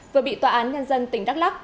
vừa bị tòa án nhân dân tỉnh đắk lắk